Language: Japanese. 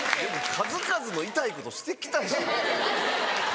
数々の痛いことしてきたでしょ。